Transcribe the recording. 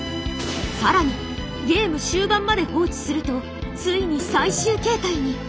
更にゲーム終盤まで放置するとついに最終形態に！